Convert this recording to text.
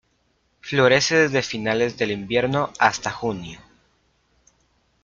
Florece desde finales del invierno hasta junio.